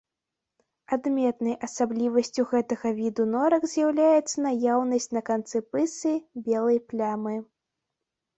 Адметнай асаблівасцю гэтага віду норак з'яўляецца наяўнасць на канцы пысы белай плямы.